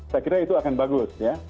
saya kira itu akan bagus ya